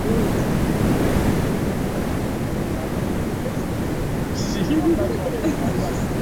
usiogope kutumia vipengele vya video za mazungumzo